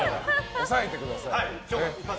抑えてください。